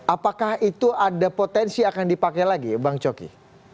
apakah itu ada potensi akan dipakai lagi bang coki